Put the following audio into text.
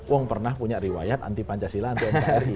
wong pernah punya riwayat anti pancasila anti nkri